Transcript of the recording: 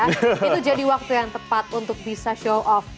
itu jadi waktu yang tepat untuk bisa show off